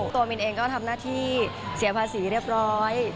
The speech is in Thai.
มินเองก็ทำหน้าที่เสียภาษีเรียบร้อย